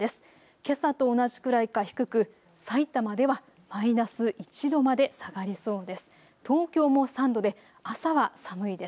けさと同じくらいか低くさいたまではマイナス１度まで下がりそうです。